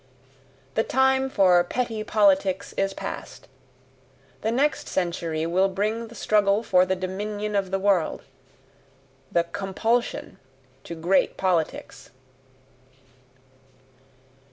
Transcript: The time for petty politics is past; the next century will bring the struggle for the dominion of the world the COMPULSION to great politics.